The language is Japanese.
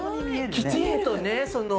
きちんとねその。